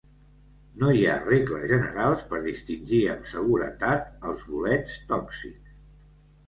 No hi ha regles generals per distingir amb seguretat els bolets tòxics.